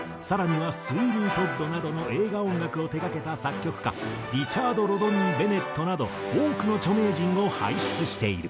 更には『スウィーニー・トッド』などの映画音楽を手がけた作曲家リチャード・ロドニー・ベネットなど多くの著名人を輩出している。